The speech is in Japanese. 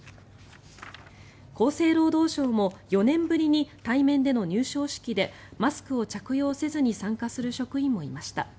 厚生労働省も４年ぶりに対面での入省式でマスクを着用せずに参加する職員もいました。